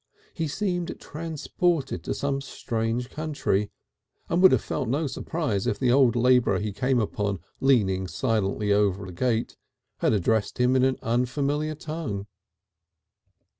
He seemed transported to some strange country, and would have felt no surprise if the old labourer he came upon leaning silently over a gate had addressed him in an unfamiliar tongue....